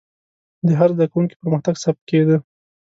د هر زده کوونکي پرمختګ ثبت کېده.